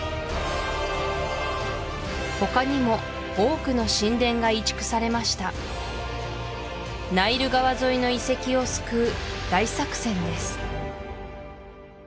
他にも多くの神殿が移築されましたナイル川沿いの遺跡を救う大作戦です